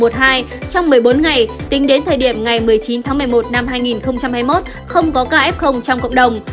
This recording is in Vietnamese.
trong một mươi bốn ngày tính đến thời điểm ngày một mươi chín tháng một mươi một năm hai nghìn hai mươi một không có caf trong cộng đồng